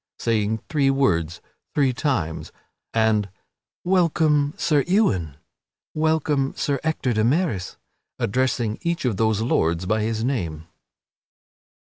saying three words three times; and "Welcome, Sir Ewain!" "Welcome, Sir Ector de Maris!" addressing each of those lords by his name.